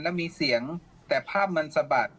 แล้วมีเสียงแต่ภาพมันสะบัด